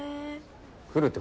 来るって